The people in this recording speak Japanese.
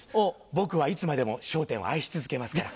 僕はいつまでも『笑点』を愛し続けますから。